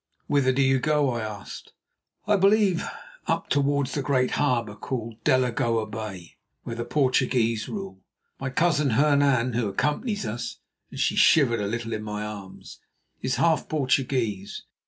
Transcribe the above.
"Whither do you go?" I asked. "I believe up towards the great harbour called Delagoa Bay, where the Portuguese rule. My cousin Hernan, who accompanies us"—and she shivered a little in my arms—"is half Portuguese.